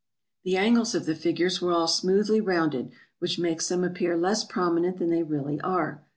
The angles of the figures were all smoothly rounded, which makes them appear less prominent than they really are.